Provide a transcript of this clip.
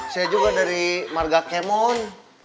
saya juga dari marga kemon